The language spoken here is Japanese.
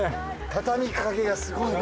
畳みかけがすごいな。